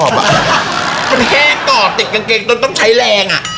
มันแห้งกรอบติดกางเกงจนต้องใช้แรง